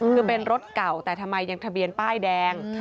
คือเป็นรถเก่าแต่ทำไมยังทะเบียนป้ายแดง